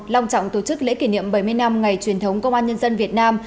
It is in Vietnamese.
long trọng tổ chức lễ kỷ niệm bảy mươi năm ngày truyền thống công an nhân dân việt nam